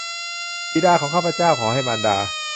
บิดาของข้าพเจ้า ขอให้มารดา